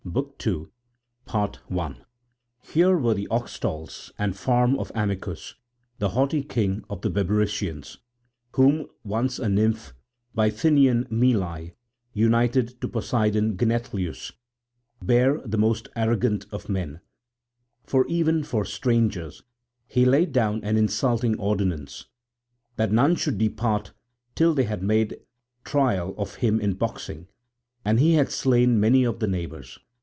BOOK II Here were the oxstalls and farm of Amycus, the haughty king of the Bebrycians, whom once a nymph, Bithynian Melie, united to Poseidon Genethlius, bare the most arrogant of men; for even for strangers he laid down an insulting ordinance, that none should depart till they had made trial of him in boxing; and he had slain many of the neighbours.